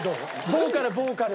ボーカルボーカル。